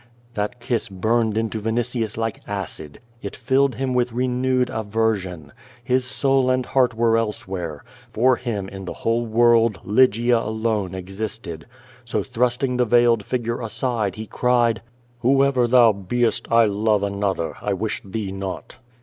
That kiss burned into Vinitius like acid. It filled him with renewed aversion. His soul and heart were elsewhere. For him in the whole world Lygia alone existed. So, thrust ing the veiled figure aside, he cried: "Whoever thou beest, I love another. I wish thee not.''